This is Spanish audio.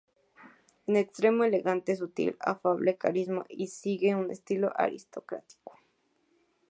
En extremo elegante, sutil, afable, carismático y sigue un estilo aristocrático.